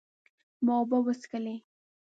ما اوبه وڅښلې